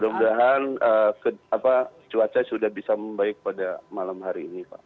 mudah mudahan cuaca sudah bisa membaik pada malam hari ini pak